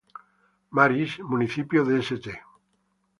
Marys, Municipio de St.